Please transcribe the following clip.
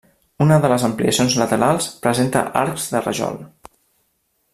Una de les ampliacions laterals presenta arcs de rajol.